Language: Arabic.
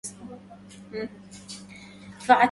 جميع الكلاب على قيد الحياة.